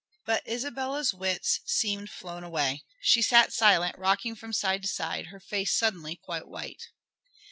But Isabella's wits seemed flown away. She sat silent, rocking from side to side, her face suddenly quite white.